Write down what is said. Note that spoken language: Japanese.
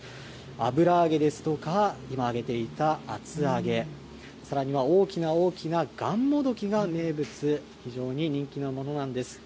油揚げですとか、今揚げていた厚揚げ、さらには大きな大きながんもどきが名物、非常に人気のものなんです。